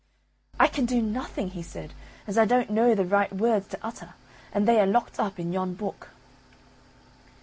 "I can do nothing," he said; "as I don't know the right words to utter, and they are locked up in yon book."